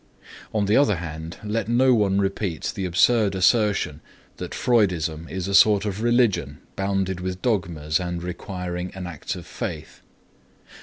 On the other hand, let no one repeat the absurd assertion that Freudism is a sort of religion bounded with dogmas and requiring an act of faith.